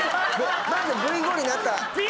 まず「ぶい５」になった。